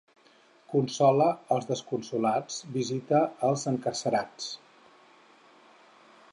Consola els desconsolats, visita els encarcerats.